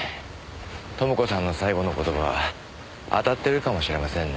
朋子さんの最期の言葉当たってるかもしれませんね。